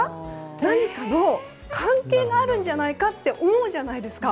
何かの関係があるんじゃないかと思うじゃないですか。